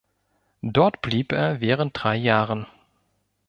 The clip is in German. Dort blieb er während drei Jahren.